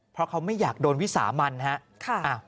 เพราะเขาไม่อยากโดนวิสามันครับ